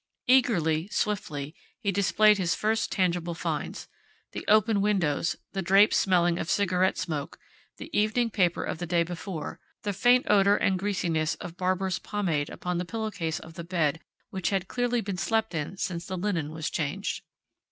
Eagerly, swiftly, he displayed his first tangible finds the open windows, the drapes smelling of cigarette smoke, the evening paper of the day before, the faint odor and greasiness of barber's pomade upon the pillow case of the bed which had clearly been slept in since the linen was changed.